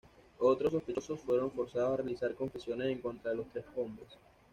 Otros "sospechosos" fueron forzados a realizar confesiones en contra de los tres hombres.